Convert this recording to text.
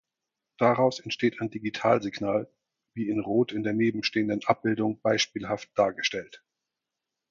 Daraus entsteht ein Digitalsignal, wie in rot in der nebenstehenden Abbildung beispielhaft dargestellt.